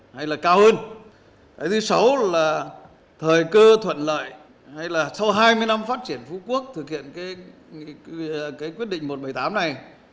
hay là cao hơn thứ sáu là thời cơ thuận lợi hay là sau hai mươi năm phát triển phú quốc thực hiện cái quyết định một trăm bảy mươi tám này